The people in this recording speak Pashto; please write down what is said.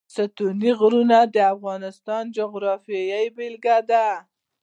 ستوني غرونه د افغانستان د جغرافیې بېلګه ده.